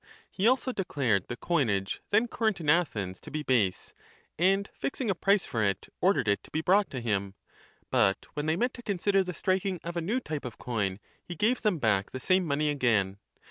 J i347 tt OECONOMICA also declared the coinage then current in Athens to be base, and fixing a price for it ordered it to be brought to him ; but when they met to consider the striking of a new type 10 of coin, he gave them back the same money again.